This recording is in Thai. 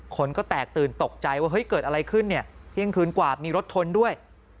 คนก็แตกตื่นตกใจว่าเฮ้ยเกิดอะไรขึ้นเนี่ยเที่ยงคืนกว่ามีรถชนด้วย